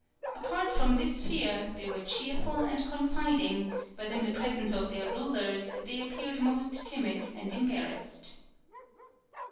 Apart from this fear they were cheerful and confiding, but in the presence of their rulers they appeared most timid and embarrassed."